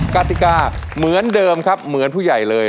กติกาเหมือนเดิมครับเหมือนผู้ใหญ่เลย